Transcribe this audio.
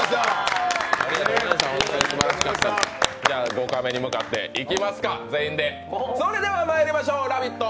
５カメに向かっていきますか全員でそれではまいりましょう、「ラヴィット！」